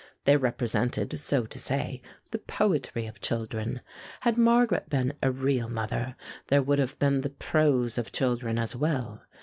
They represented, so to say, the poetry of children. Had Margaret been a real mother, there would have been the prose of children as well.